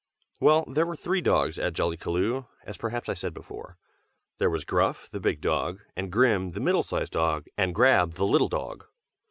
Well, there were three dogs at Jollykaloo, as perhaps I said before. There was Gruff the big dog, and Grim the middle sized dog, and Grab, the little dog.